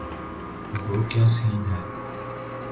وہ کیا سین ہے۔